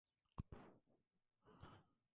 Existen tantas formas de hacerla como cocineros.